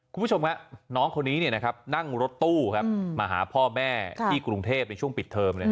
คุณผู้ชมครับน้องคนนี้นั่งรถตู้มาหาพ่อแม่ที่กรุงเทพในช่วงปิดเทอม